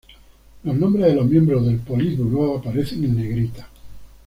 Los nombres de los miembros del Politburó aparecen en negrita.